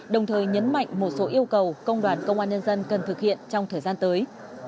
đồng thời nhấn mạnh một số yêu cầu công đoàn công an nhân dân cần thực hiện trong thời gian tới